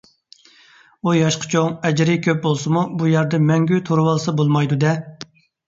ئۇ ياشقا چوڭ، ئەجرى كۆپ بولسىمۇ، بۇ يەردە مەڭگۈ تۇرۇۋالسا بولمايدۇ - دە.